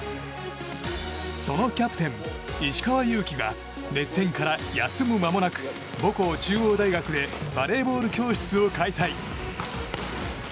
そのキャプテン、石川祐希が熱戦から休む間もなく母校・中央大学でバレーボール教室を開催。